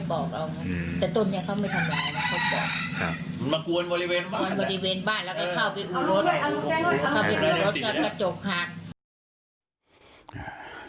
แต่ต้นนี้เขาไม่ทำได้แล้วเขาบอกมากลัวบริเวณบ้านบริเวณบ้านแล้วก็เข้าไปอู่รถ